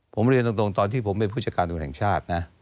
ผมเรียนตรงตอนที่ผมเป็นผู้จัดการตำรวจแห่งชาตินะ